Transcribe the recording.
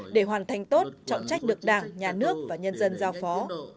để hoàn thành tốt trọng trách được đảng nhà nước và nhân dân giao phó